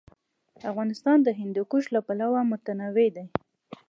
افغانستان د هندوکش له پلوه متنوع دی.